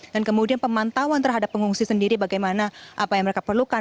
dan kemudian pemantauan terhadap pengungsi sendiri bagaimana apa yang mereka perlukan